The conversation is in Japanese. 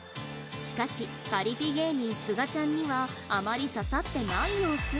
しかしパリピ芸人すがちゃんにはあまり刺さってない様子